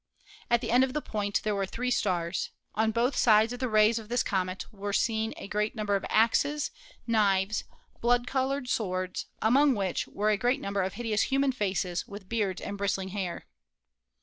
At the end of the point there were three stars. On both sides of the rays of this comet were seen a great number of axes, knives, blood colored swords, among which were a great number of hideous human faces, with beards and bristling hair."